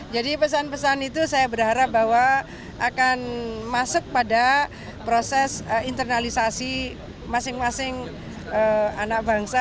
jadi pesan pesan itu saya berharap bahwa akan masuk pada proses internalisasi masing masing anak bangsa